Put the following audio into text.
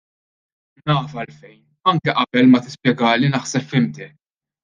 Naf għalfejn, anke qabel ma tispjegali naħseb fhimtek.